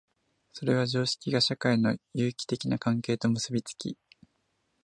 それは常識が社会の有機的な関係と結び付き、